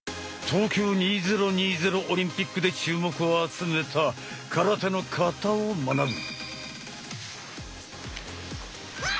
東京２０２０オリンピックで注目を集めた空手の「形」を学ぶ。